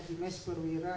di mas perwira